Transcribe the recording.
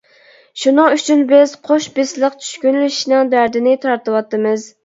شۇنىڭ ئۈچۈن بىز قوش بىسلىق چۈشكۈنلىشىشنىڭ دەردىنى تارتىۋاتىمىز.